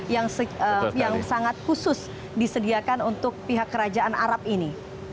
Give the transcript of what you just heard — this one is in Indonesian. yang sangat khusus disediakan untuk pihak kerajaan arab ini